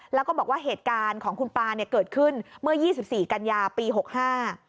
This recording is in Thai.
แล้วก็บอกว่าเหตุการณ์ของคุณปลาเนี่ยเกิดขึ้นเมื่อยี่สิบสี่กันยาปีหกห้า